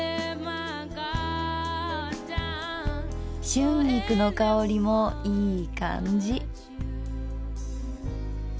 春菊の香りもいい感じ。